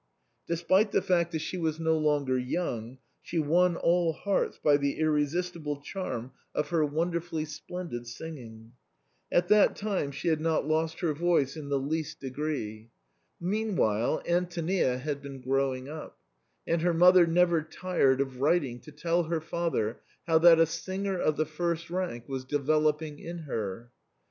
Despite the fact that she was no longer young, she won all hearts by the irresistible charm of her won derfully splendid singing. At that time she had not THE CREMONA VIOLIN, 25 lost her voice in the least degree. Meanwhile, Antonia had been growing up ; and her mother never tired of writing to tell her father how that a singer of the first rank was developing in her.